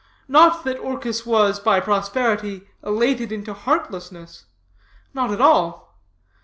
Not that Orchis was, by prosperity, elated into heartlessness. Not at all.